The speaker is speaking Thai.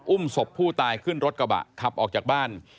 ศพผู้ตายขึ้นรถกระบะขับออกจากบ้าน